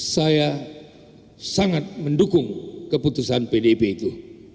saya sangat mendukung keputusan pdip itu